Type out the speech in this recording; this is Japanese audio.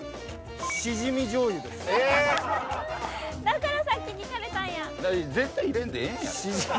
だからさっき聞かれたんや。